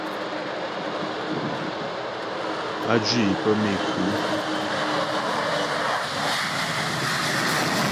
Á jwǐ é pə́ méku.